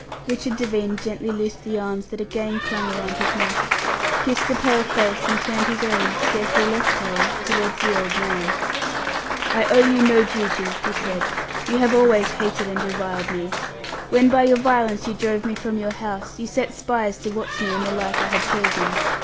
Richard Devine gently loosed the arms that again clung around his neck, kissed the pale face, and turned his own scarcely less pale towards the old man. "I owe you no duty," he said. "You have always hated and reviled me. When by your violence you drove me from your house, you set spies to watch me in the life I had chosen.